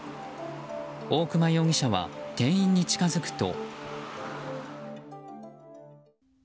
大熊容疑者は店員に近づくと。